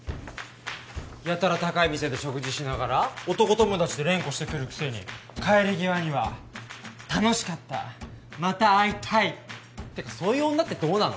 やたら高い店で食事しながら男友達って連呼してくるくせに帰り際には楽しかったまた会いたいてかそういう女ってどうなの？